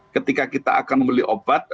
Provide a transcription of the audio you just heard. ketika kita akan membeli obat